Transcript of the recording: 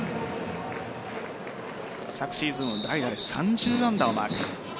昨シーズンは代打で３０安打をマーク。